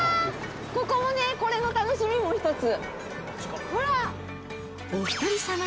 ここもね、これも楽しみのもう一つ。